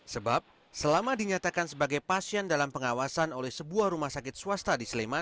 sebab selama dinyatakan sebagai pasien dalam pengawasan oleh sebuah rumah sakit swasta di sleman